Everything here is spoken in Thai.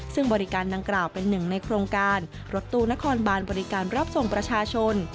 ซึ่งบริการดังกล่าวเป็นหนึ่งในโครงการรถตู้นครบานบริการรับส่งประชาชน